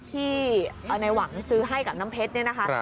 ที่ในหวังซื้อให้กับน้ำเพชรเนี่ยนะคะ